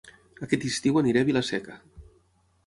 Aquest estiu aniré a Vila-seca